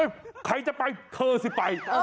เฮ่ยใครจะไปเธอสิไป